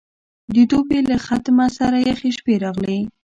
د دوبي له ختمه سره یخې شپې راغلې.